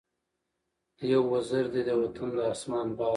یو وزر دی د وطن د آسمان ، باز